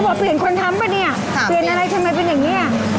เค้าบอกเตือนคนทำป่าวนี่